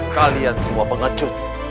kalian semua pengecut